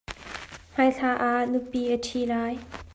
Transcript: Hmai thla ah nupi a ṭhi lai.